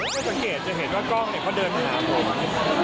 ถ้าสังเกตจะเห็นว่ากล้องเนี่ยพอเดินไปนะครับผม